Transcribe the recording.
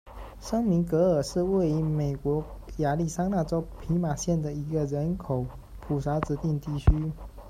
圣米格尔是位于美国亚利桑那州皮马县的一个人口普查指定地区。